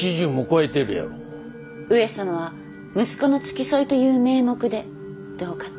上様は息子の付き添いという名目でどうかと。